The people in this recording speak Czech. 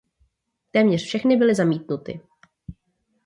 Téměř všechny byly zamítnuty.